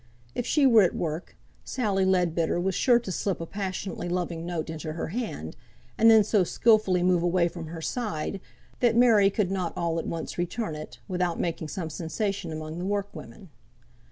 If she were at work, Sally Leadbitter was sure to slip a passionately loving note into her hand, and then so skilfully move away from her side, that Mary could not all at once return it, without making some sensation among the work women.